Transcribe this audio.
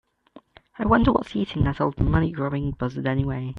I wonder what's eating that old money grubbing buzzard anyway?